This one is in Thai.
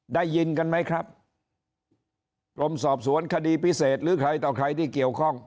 ได้ยินกันไหมครับกรมสอบสวนคดีพิเศษหรือใครต่อใครที่เกี่ยวข้อง